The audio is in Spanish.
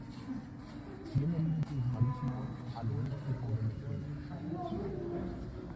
Tiene límites marítimos al oeste con Venezuela.